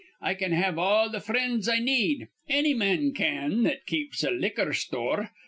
I can have all th' frinds I need. Anny man can that keeps a liquor sthore.